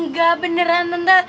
nggak beneran tante